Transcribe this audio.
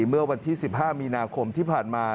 เมื่อวันที่๑๕มีนาคมที่ผ่านมา